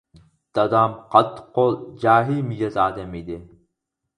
دادام قاتتىق قول، جاھىل مىجەز ئادەم ئىدى.